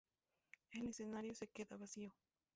El escenario se queda vacío.